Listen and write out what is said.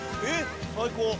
えっ？最高。